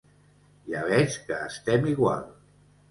Ja veig que estem igual.